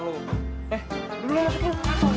eh dulu masukin